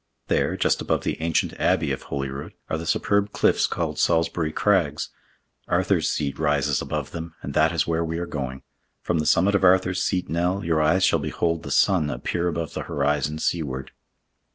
There, just above the ancient Abbey of Holyrood, are the superb cliffs called Salisbury Crags. Arthur's Seat rises above them, and that is where we are going. From the summit of Arthur's Seat, Nell, your eyes shall behold the sun appear above the horizon seaward."